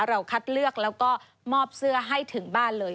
คัดเลือกแล้วก็มอบเสื้อให้ถึงบ้านเลย